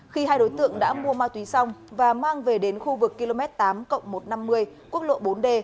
khi hai đối tượng đã mua ma túy xong và mang về đến khu vực km tám một trăm năm mươi quốc lộ bốn d